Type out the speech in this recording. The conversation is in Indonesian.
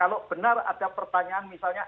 kalau benar ada pertanyaan misalnya